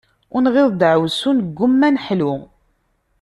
Ur nɣiḍ deɛwessu, negumma ad neḥlu.